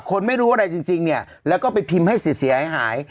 คนไม่รู้อะไรจริงเนี่ยแล้วก็ไปพิมพ์ให้เสียหายหาย